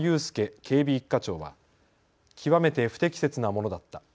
警備１課長は極めて不適切なものだった。